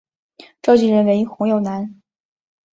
召集人为黄耀南。